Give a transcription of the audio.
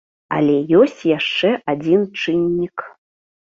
Але ёсць яшчэ адзін чыннік.